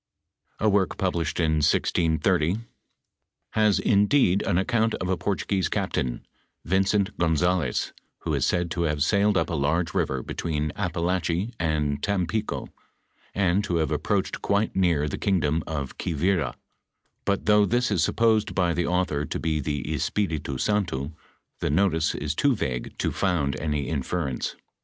f A work published in 1630,:(: has indeed an account of a Portuguese captain, Vincent Gonzalez, who is said to have sailed up a large river between Apalache and Tampico, and to have approached quite near the kingdom of Quivira, but though this is supposed by the author to be the Espiritu Santo, the notice is too vague to found any inference.